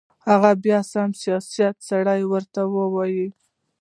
هغه بیا سم سیاسي سړی ورته ووایو.